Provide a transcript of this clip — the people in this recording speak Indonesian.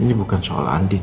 ini bukan soal andi